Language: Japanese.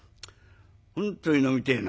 本当に飲みてえな」。